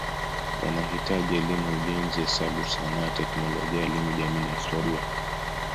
Wanahitaji elimu ya ujenzi, hesabu, sanaa, teknolojia, elimu jamii na historia.